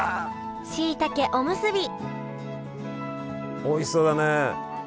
しいたけおむすびおいしそうだね。